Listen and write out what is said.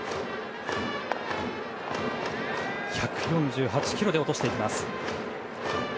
１４８キロで落としていきました。